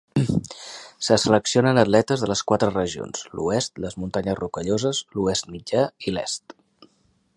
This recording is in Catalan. Se seleccionen atletes de les quatre regions: l'Oest, les muntanyes Rocalloses, l'Oest Mitjà i l'Est.